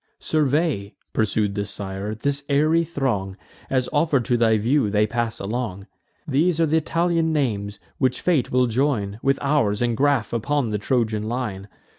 "Survey," pursued the sire, "this airy throng, As, offer'd to thy view, they pass along. These are th' Italian names, which fate will join With ours, and graff upon the Trojan line.